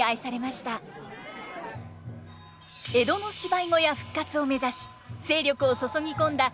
江戸の芝居小屋復活を目指し精力を注ぎ込んだ